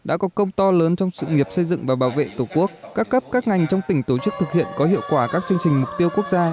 đã có công to lớn trong sự nghiệp xây dựng và bảo vệ tổ quốc các cấp các ngành trong tỉnh tổ chức thực hiện có hiệu quả các chương trình mục tiêu quốc gia